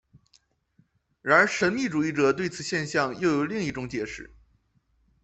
然而神秘主义者对此现象又有另一种解释。